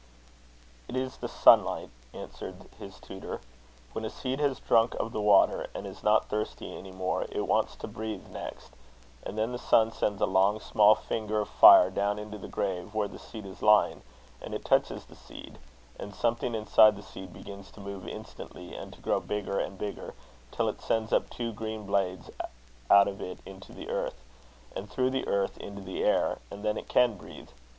"It is the sunlight," answered his tutor. "When a seed has drunk of the water, and is not thirsty any more, it wants to breathe next; and then the sun sends a long, small finger of fire down into the grave where the seed is lying; and it touches the seed, and something inside the seed begins to move instantly and to grow bigger and bigger, till it sends two green blades out of it into the earth, and through the earth into the air; and then it can breathe.